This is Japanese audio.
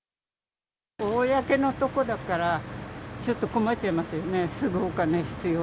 公のところだから、ちょっと困っちゃいますよね。